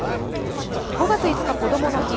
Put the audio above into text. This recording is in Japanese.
５月５日、こどもの日。